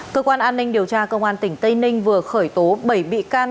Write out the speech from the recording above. cơ quan an ninh điều tra công an tỉnh tây ninh vừa khởi tố bảy bị can